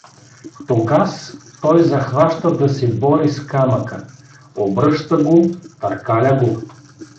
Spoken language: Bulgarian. Тогаз той захваща да се бори с камъка: обръща го, търкаля го.